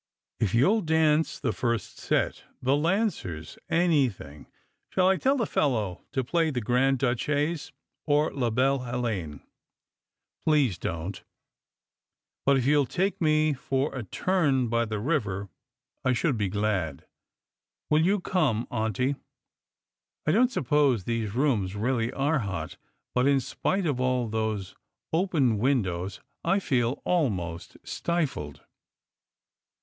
If you'll dance the first set, the Lancers — anything Shall I tell the fellow to play the Grand Duchesse or La Belie Helene?" " Please don't. But if you'll take me for a turn by the river I should be glad. Will you come, auntie ? I don't suppose these rooms really are hot; but in spite of aU those open wi;i dows, I feel almost stifled."